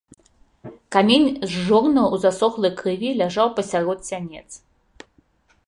Камень з жорнаў у засохлай крыві ляжаў пасярод сянец.